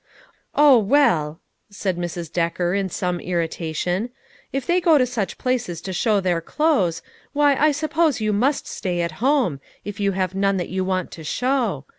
"O, well," said Mrs. Decker in some irrita tion, " if they go to such places to show their clothes, why, I suppose you must stay at home, if you have none that you want to show.